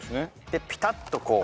でピタッとこう。